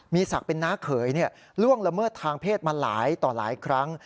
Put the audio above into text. มีศักดิ์เป็นน้าเขยล่วงละเมิดทางเพศมาหลายต่อหลายครั้ง